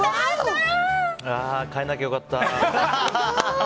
変えなきゃよかった。